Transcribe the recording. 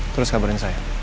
terus kabarin saya